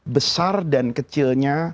besar dan kecilnya